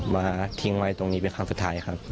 มาทิ้งไว้ตรงนี้เป็นครั้งสุดท้ายครับ